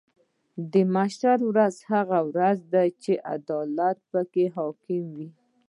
د محشر ورځ هغه ورځ ده چې عدالت به پکې حاکم وي .